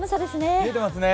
冷えてますね。